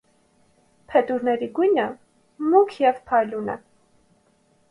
Փետուրների գույնը՝ մուգ և փայլուն է։